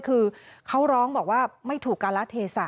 คือเขาร้องไม่ถูกการละเทศะ